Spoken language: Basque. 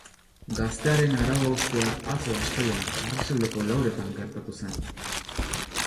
Gaztearen arau-haustea atzo, astelehena, arratsaldeko lauretan gertatu zen.